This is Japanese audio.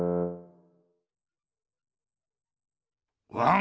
ワン！